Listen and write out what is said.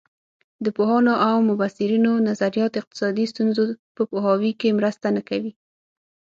د پوهانو او مبصرینو نظریات اقتصادي ستونزو په پوهاوي کې مرسته نه کوي.